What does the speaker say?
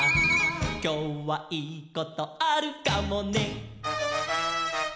「きょうはいいことあるかもね」